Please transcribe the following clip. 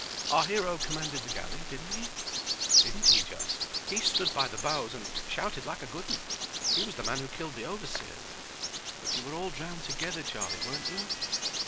Our hero commanded the galley? Didn't he?" "Didn't he just! He stood by the bows and shouted like a good 'un. He was the man who killed the overseer." "But you were all drowned together, Charlie, weren't you?"